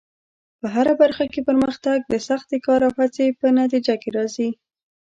په هره برخه کې پرمختګ د سختې کار او هڅې په نتیجه کې راځي.